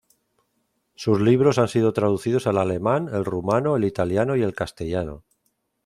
Sus libros han sido traducidos al alemán, el rumano, el italiano y el castellano.